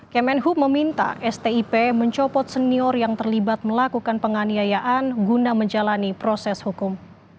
kemenhub meminta stip mencopot senior yang terlibat melakukan penganiayaan guna menjalani proses hukum